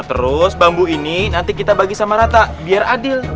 terus bambu ini nanti kita bagi sama rata biar adil